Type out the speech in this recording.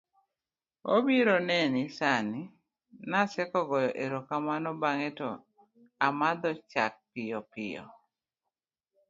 obiro neni sani, Naseko nogoyo erokamano bang'e to omadho chak piyo piyo